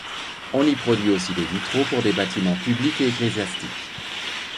On y produit aussi des vitraux pour des bâtiments publics et ecclésiastiques.